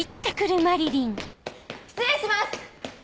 失礼します！